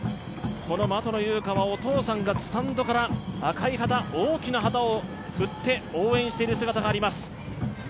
この俣野佑果はお父さんがスタンドから赤い旗、大きな旗を振って応援している姿があります。